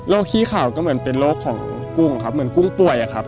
ขี้ขาวก็เหมือนเป็นโรคของกุ้งครับเหมือนกุ้งป่วยอะครับ